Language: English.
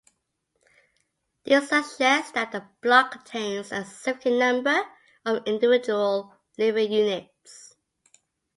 This suggests that the block contains a significant number of individual living units.